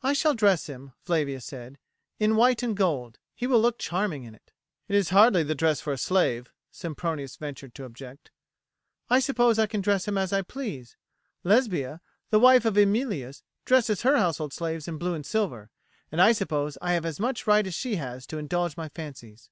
"I shall dress him," Flavia said, "in white and gold; he will look charming in it." "It is hardly the dress for a slave," Sempronius ventured to object. "I suppose I can dress him as I please. Lesbia, the wife of Emilius, dresses her household slaves in blue and silver, and I suppose I have as much right as she has to indulge my fancies."